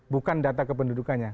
bukan data kependudukannya